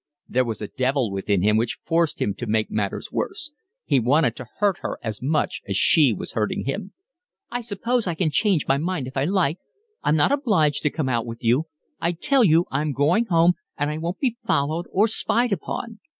There was a devil within him which forced him to make matters worse. He wanted to hurt her as much as she was hurting him. "I suppose I can change my mind if I like. I'm not obliged to come out with you. I tell you I'm going home, and I won't be followed or spied upon."